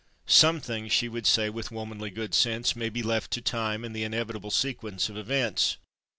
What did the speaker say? Something, she would say with womanly good sense, may be left to time and the inevitable sequence of events.